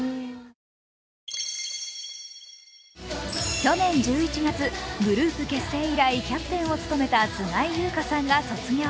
去年１１月、グループ結成以来キャプテンを務めた菅井友香さんが卒業。